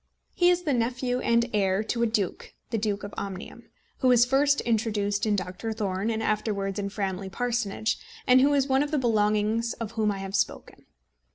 _ He is the nephew and heir to a duke the Duke of Omnium who was first introduced in Doctor Thorne, and afterwards in Framley Parsonage, and who is one of the belongings of whom I have spoken.